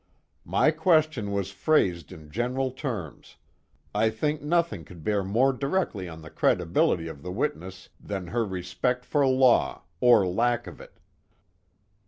My question was phrased in general terms. I think nothing could bear more directly on the credibility of the witness than her respect for law, or lack of it."